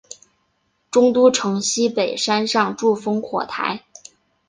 中都城西北山上筑烽火台。